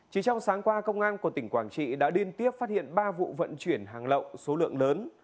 chỉ trong sáng qua công an của tỉnh quảng trị đã liên tiếp phát hiện ba vụ vận chuyển hàng lậu số lượng lớn